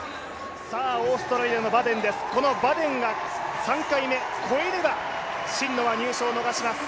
オーストラリアのバデンです、バデンが３回目越えれば、真野は入賞を逃します。